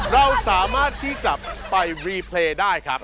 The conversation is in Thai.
เราสามารถที่จะไปรีเพลย์ได้ครับ